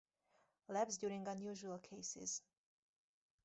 Labs during unusual cases.